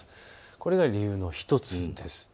これが理由の１つです。